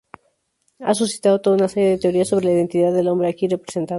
Ha suscitado toda una serie de teorías sobre la identidad del hombre aquí representado.